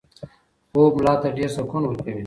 خوب ملا ته ډېر سکون ورکړ.